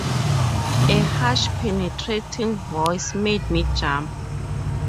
A harsh penetrating voice made me jump.